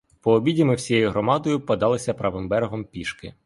По обіді ми всією громадою подались правим берегом пішки.